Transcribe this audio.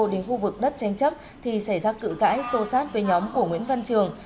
đến khu vực đất tranh chấp thì xảy ra cự cãi sâu sát với nhóm của nguyễn văn trường